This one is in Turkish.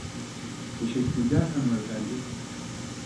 Teşekkürler hanımefendi.